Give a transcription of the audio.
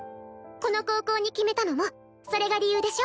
この高校に決めたのもそれが理由でしょ？